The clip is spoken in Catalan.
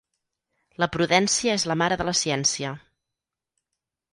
La prudència és la mare de la ciència.